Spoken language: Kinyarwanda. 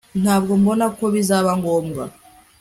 ntabwo mbona ko bizaba ngombwa